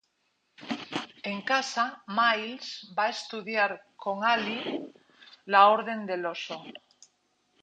En casa, Miles va a estudiar con Allie la Orden del Oso.